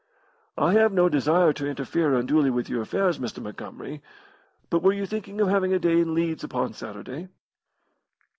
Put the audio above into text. "I have no desire to interfere unduly with your affairs, Mr. Montgomery, but were you thinking of having a day in Leeds upon Saturday?"